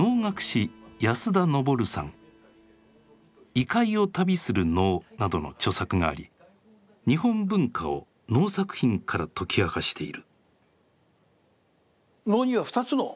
「異界を旅する能」などの著作があり日本文化を能作品から解き明かしている。